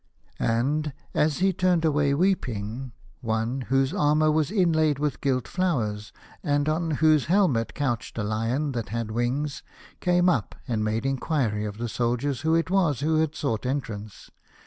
And, as he turned away weeping, one whose armour was inlaid with gilt flowers, and on whose helmet couched a lion that had wings, came up and made enquiry of the soldiers who it was who had sought entrance.